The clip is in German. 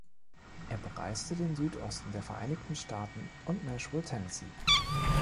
Er bereiste den Südosten der Vereinigten Staaten und Nashville, Tennessee.